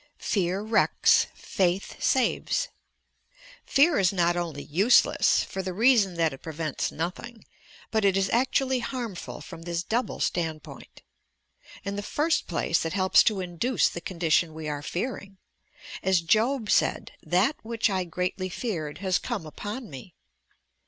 fe:ab wrecks, faith saves Pear is not only useless (for the reason that it pre vents nothing) but it is actually harmful from this double standpoint : In the first place, it helps to induce the condition we are fearing. As Job said, "That which I greatly feared has come upon me."